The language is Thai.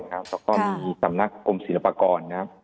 และมีสำนักกรมศิลปกรณ์